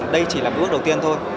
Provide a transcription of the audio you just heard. đây chỉ là bước đầu tiên thôi